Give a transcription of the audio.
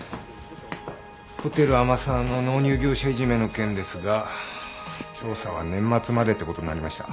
ホテル天沢の納入業者いじめの件ですが調査は年末までってことになりました。